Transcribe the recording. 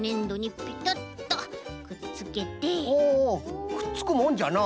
おおくっつくもんじゃな。